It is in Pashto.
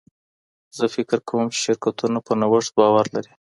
زه فکر کوم چې شرکتونه په نوښت باور لري.